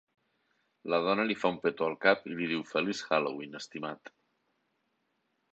La dona li fa un petó al cap i li diu Feliç Halloween, estimat.